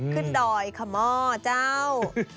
ขึ้นดอยขมาเจ้า